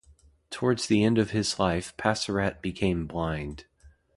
Towards the end of his life Passerat became blind.